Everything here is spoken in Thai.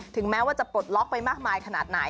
แม้ว่าจะปลดล็อกไปมากมายขนาดไหน